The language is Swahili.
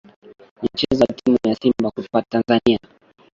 ni mchezo wa timu ya simba kutoka tanzania